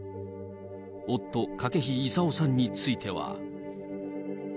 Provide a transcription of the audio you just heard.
夫、筧勇夫さんについては。